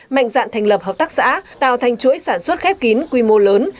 mạnh dạn thành lập hợp tác xã tạo thành chuỗi sản xuất khép kín quy mô lớn